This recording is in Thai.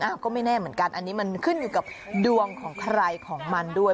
ก็ไม่แน่เหมือนกันอันนี้มันขึ้นอยู่กับดวงของใครของมันด้วย